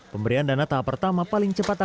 pemberian dana tahap pertama paling cepat